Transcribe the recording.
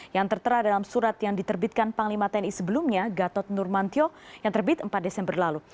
yang tertera dalam surat yang diterbitkan panglima tni sebelumnya gatot nurmantio yang terbit empat desember lalu